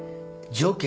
条件？